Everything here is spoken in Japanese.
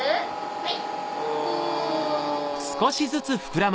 はい。